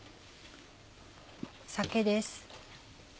酒です。